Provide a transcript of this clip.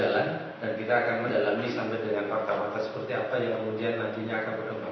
jalan dan kita akan mendalami sampai dengan fakta fakta seperti apa yang kemudian nantinya akan berkembang